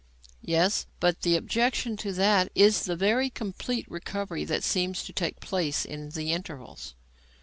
"Yes. But the objection to that is the very complete recovery that seems to take place in the intervals."